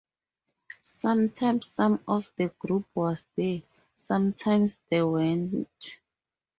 Sometimes some of the group was there, sometimes they weren't.